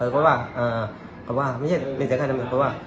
ก็บอกว่า